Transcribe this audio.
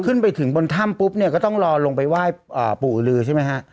ขึ้นไปถึงบนถ้ำปุ๊บเนี่ยก็ต้องรอลงไปไหว้ปู่ลือใช่ไหมฮะ